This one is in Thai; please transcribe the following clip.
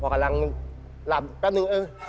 พอกำลังหลับแป๊บนึงเออ